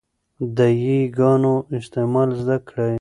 د 'ي' ګانو استعمال زده کړئ.